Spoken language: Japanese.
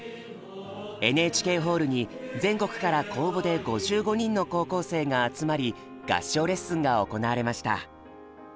ＮＨＫホールに全国から公募で５５人の高校生が集まり合唱レッスンが行われました。